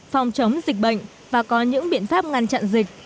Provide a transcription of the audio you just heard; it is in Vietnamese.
phòng chống dịch bệnh và có những biện pháp ngăn chặn dịch